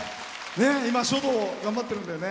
今、書道を頑張ってるんだよね。